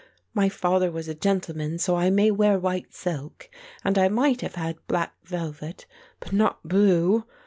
My father was a gentleman so I may wear white silk, and I might have had black velvet, but not blue.